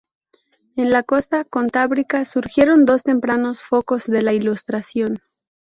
En la costa cantábrica surgieron dos tempranos focos de la Ilustración.